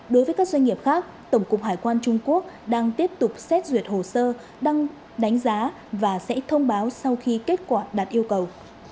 đối với các doanh nghiệp khác tổng cục hải quan trung quốc đang tiếp tục xét duyệt hồ sơ đăng đánh giá và sẽ thông báo sau khi kết quả đạt yêu cầu